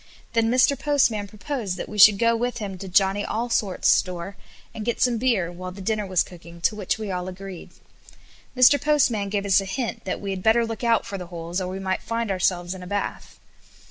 Then Mr. Postman proposed that we should go with him to Johnny Allsort's store and get some beer, while the dinner was cooking, to which we all agreed. Mr. Postman gave us a hint that we had better look out for the holes, or we might find ourselves in a bath.